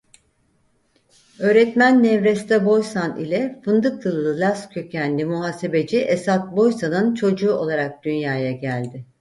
Öğretmen Nevreste Boysan ile Fındıklılı Laz kökenli muhasebeci Esat Boysan'ın çocuğu olarak dünyaya geldi.